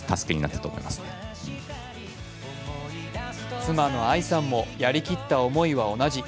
妻の愛さんもやりきった思いは同じ。